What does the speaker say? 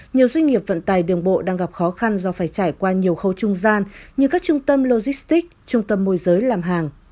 nhiều doanh nghiệp vận tài đường bộ đang gặp khó khăn do phải trải qua nhiều khâu trung gian như các trung tâm logistics trung tâm môi giới làm hàng